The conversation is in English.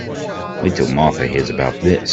Wait till Martha hears about this.